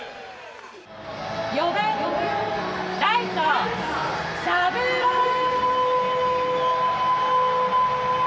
４番ライト、サブロー！